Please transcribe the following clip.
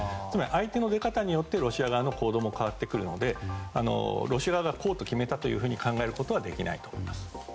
つまり相手の出方によってロシア側の行動も変わってくるのでロシア側がこうと決めたと考えることはできないと思います。